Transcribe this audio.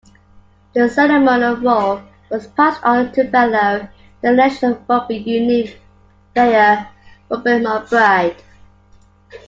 The ceremonial role was passed on to fellow international rugby union player Robin McBryde.